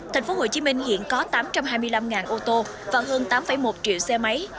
tp hcm hiện có tám trăm hai mươi năm ô tô và hơn tám một triệu xe máy